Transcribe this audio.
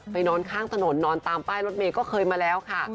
นอนข้างถนนนอนตามป้ายรถเมย์ก็เคยมาแล้วค่ะ